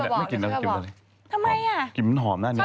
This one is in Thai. นี่เอาเดี๋ยวค่อยบอกทำไมอะ